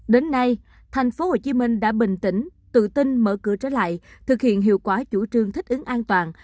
đến nay tp hcm đã bình tĩnh tự tin mở cửa trở lại thực hiện hiệu quả chủ trương thích ứng an toàn